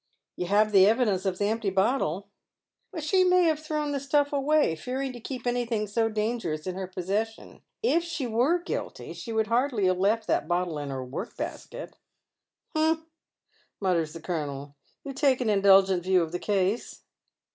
" You have the evidence of the empty bottle ?"" She may have thrown the stuff away, fearing to keep any thing so dangerous in her possession. If she were guilty, she ^ould hardly have left that bottle in her work basket." " Humph," mutters the colonel. "You take an indulgent view of the case."